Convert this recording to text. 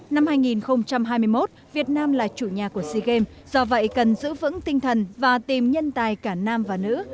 năm hai nghìn hai mươi một việt nam là chủ nhà của sea games do vậy cần giữ vững tinh thần và tìm nhân tài cả nam và nữ